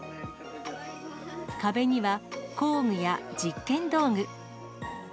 壁には工具や実験道具。